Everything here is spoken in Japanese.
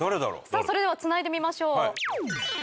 さあそれではつないでみましょう。